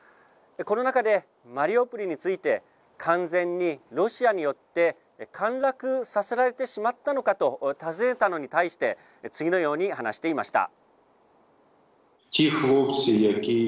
この中で、マリウポリについて完全に、ロシアによって陥落させられてしまったのかと尋ねたのに対して次のように話していました。